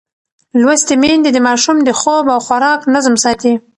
لوستې میندې د ماشوم د خوب او خوراک نظم ساتي.